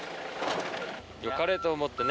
よかれと思ってね。